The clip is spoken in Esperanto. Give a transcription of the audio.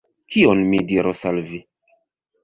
kion mi diros al vi?